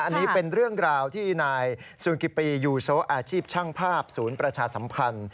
อันนี้เป็นเรื่องราวที่นายซูกิปียูโซอาชีพช่างภาพศูนย์ประชาสัมพันธ์